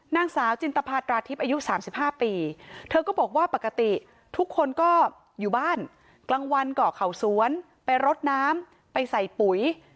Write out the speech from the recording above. นางสาวจินตภาตราทิพย์อายุ๓๕ปีเธอก็บอกว่าปกติทุกคนก็อยู่บ้านกลางวันก่อเข่าสวนไปรดน้ำไปใส่ปุ๋ย